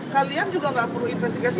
kalian juga nggak perlu investigasi